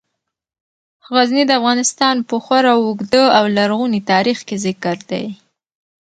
غزني د افغانستان په خورا اوږده او لرغوني تاریخ کې ذکر دی.